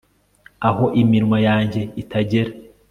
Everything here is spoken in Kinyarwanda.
Aho iminwa yanjye itagera